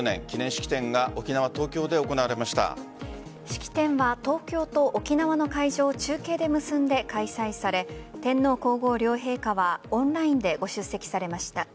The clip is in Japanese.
式典は東京と沖縄の会場を中継で結んで開催され天皇皇后両陛下はオンラインでご出席されました。